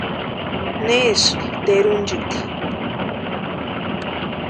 ¿Nesïni tʼerunchiti?